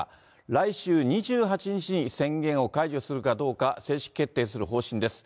来週２８日に宣言を解除するかどうか正式決定する方針です。